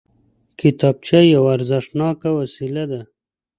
کتابچه یوه ارزښتناکه وسیله ده